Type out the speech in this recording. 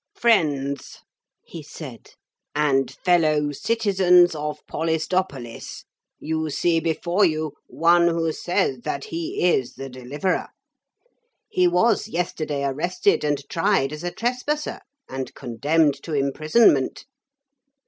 'Friends,' he said, 'and fellow citizens of Polistopolis, you see before you one who says that he is the Deliverer. He was yesterday arrested and tried as a trespasser, and condemned to imprisonment.